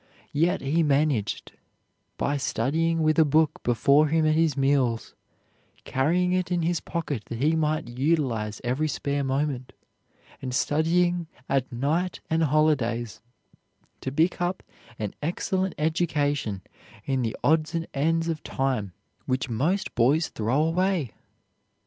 Yet, he managed, by studying with a book before him at his meals, carrying it in his pocket that he might utilize every spare moment, and studying at night and holidays, to pick up an excellent education in the odds and ends of time which most boys throw away.